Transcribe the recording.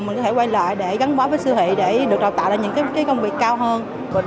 mình có thể quay lại để gắn bó với siêu thị để được đào tạo ra những công việc cao hơn